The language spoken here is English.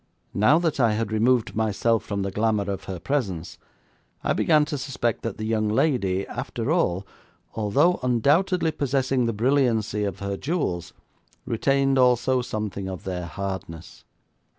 Now that I had removed myself from the glamour of her presence, I began to suspect that the young lady, after all, although undoubtedly possessing the brilliancy of her jewels, retained also something of their hardness.